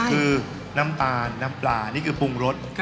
คือน้ำตาลน้ำปลานี่คือปรุงรส